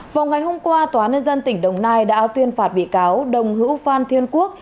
vào ngày hôm qua tòa nân tỉnh đồng nai đã tuyên phạt bị cáo đồng hữu phan thiên quốc